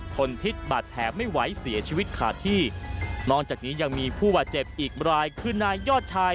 ทนพิษบาดแผลไม่ไหวเสียชีวิตขาดที่นอกจากนี้ยังมีผู้บาดเจ็บอีกรายคือนายยอดชาย